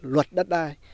luật đất đai